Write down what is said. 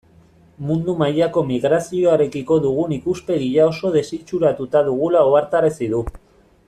Mundu mailako migrazioarekiko dugun ikuspegia oso desitxuratuta dugula ohartarazi du.